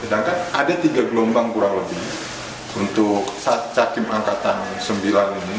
sedangkan ada tiga gelombang kurang lebih untuk saat catim angkatan sembilan ini